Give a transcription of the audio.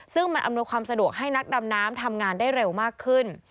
ซึ่งมันอำนวยความสะดวกให้นักดำน้ำทำงานได้เร็วมากขึ้น